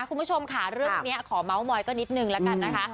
คุณผู้ชมค่ะเรื่องนี้ขอเมาส์มอยก็นิดนึงแล้วกันนะคะ